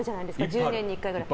１０年に１回ぐらい。